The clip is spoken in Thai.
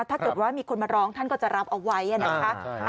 ถ้าเกิดว่ามีคนมาร้องท่านก็จะรับเอาไว้นะคะ